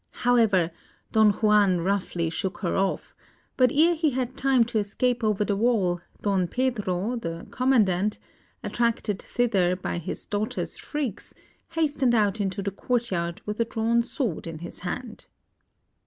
However, Don Juan roughly shook her off; but ere he had time to escape over the wall, Don Pedro, the Commandant, attracted thither by his daughter's shrieks, hastened out into the courtyard, with a drawn sword in his hand.